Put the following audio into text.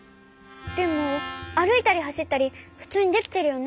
でもあるいたりはしったりふつうにできてるよね？